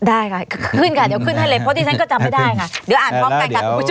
ได้ค่ะขึ้นหลุดตั้งความอายา